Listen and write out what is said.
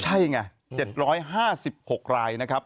ใช่ไง๗๕๖รายนะครับ